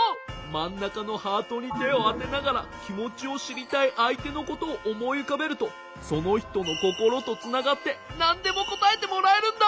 まんなかのハートに手をあてながら気持ちをしりたいあいてのことをおもいうかべるとそのひとのココロとつながってなんでもこたえてもらえるんだ！